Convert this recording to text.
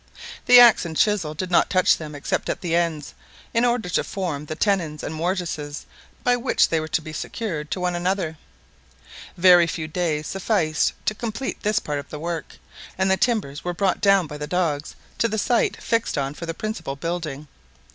The axe and the chisel did not touch them except at the ends, in order to form the tenons and mortises by which they were to be secured to one another. Very few days sufficed to complete this part of the work, and the timbers were brought down by the dogs to the site fixed on for the principal building.